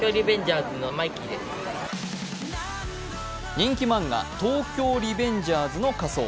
人気漫画「東京リベンジャーズ」の仮装。